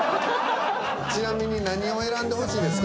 ちなみに何を選んでほしいですか？